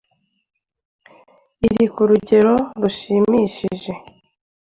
iri ku rugero rushimishije